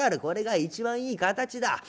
これが一番いい形だ。